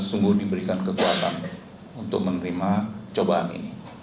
dan sesungguh diberikan kekuatan untuk menerima cobaan ini